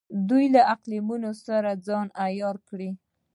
دوی له اقلیمونو سره ځان عیار کړ.